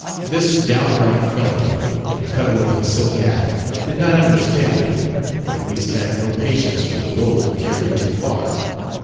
This downright fellow, in cutaway and silk hat, did not understand, or at least had no patience with a rôle carried too far.